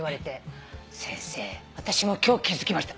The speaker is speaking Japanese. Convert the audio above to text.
先生私も今日気付きました。